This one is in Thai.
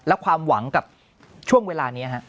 และความหวังกับช่วงเวลานี้ฮะ